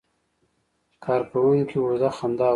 کارکونکي اوږده خندا وکړه.